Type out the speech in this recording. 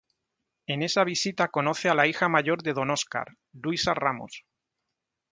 En esa visita conoce a la hija mayor de don Oscar, Luisa Ramos.